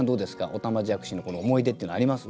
おたまじゃくしの思い出っていうのあります？